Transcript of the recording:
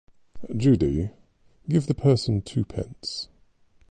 Judy - give the person twopence.